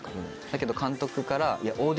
だけど監督から。